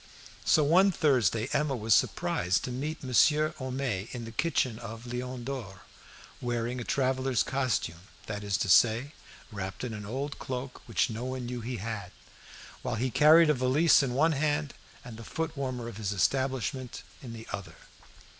So one Thursday Emma was surprised to meet Monsieur Homais in the kitchen of the "Lion d'Or," wearing a traveller's costume, that is to say, wrapped in an old cloak which no one knew he had, while he carried a valise in one hand and the foot warmer of his establishment in the other.